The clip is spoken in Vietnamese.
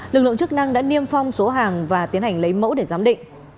lực lượng chức năng đã niêm phong số hàng và tiến hành lấy mẫu để giám định